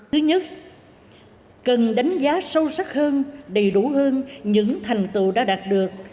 thứ nhất cần đánh giá sâu sắc hơn đầy đủ hơn những thành tựu đã đạt được